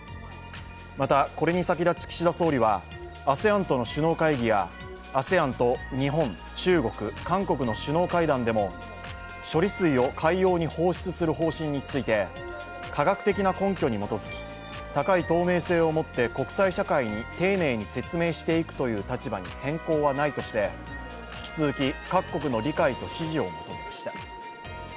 また、これに先立ち岸田総理はＡＳＥＡＮとの首脳会議やＡＳＥＡＮと日本、中国、韓国の首脳会談でも処理水を海洋に放出する方針について科学的な根拠に基づき高い透明性を持って、国際社会に丁寧に説明していくという立場に変更はないとして、引き続き各国の理解と支持を求めました。